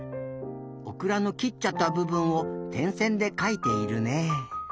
オクラの切っちゃったぶぶんをてんせんでかいているね。